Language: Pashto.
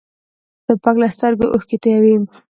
توپک له سترګو اوښکې تویوي.